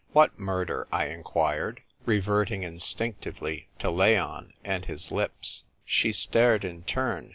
" "What murder?" I inquired, reverting instinctively to Leon and his lips. She stared in turn.